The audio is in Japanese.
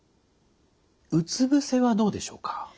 うつ伏せはどうでしょうか？